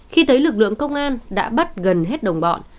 khi thấy lực lượng công an đã bắt gần hết đồng bọn